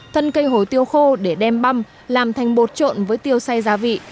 thân cây hổ tiêu khô để đem băm làm thành bột trộn với tiêu say gia vị